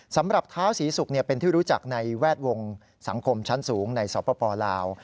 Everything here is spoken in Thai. เท้าศรีศุกร์เป็นที่รู้จักในแวดวงสังคมชั้นสูงในสปลาว